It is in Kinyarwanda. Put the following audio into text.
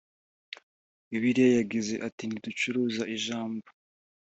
bibiliya yagize ati ntiducuruza ijambo.